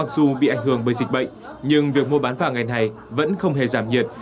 dù bị ảnh hưởng bởi dịch bệnh nhưng việc mua bán vàng ngày này vẫn không hề giảm nhiệt